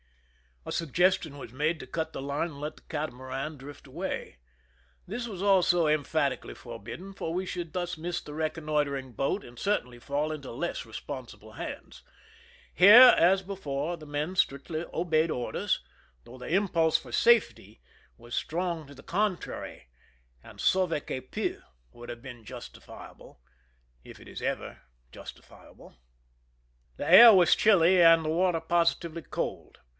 A suggestion was macle to cut the line and let the catamaran drift away. This was also emphatically forbidden, for we should thus miss the reconnoitering boat and certainly fall into less responsible hands. Here, as before, the men strictly obeyed orders, though the impulse for safety was strong to the contrary, and sauve qui pent would have been justifiable, if it is ever justifiable. The air was chilly and the water positively cold.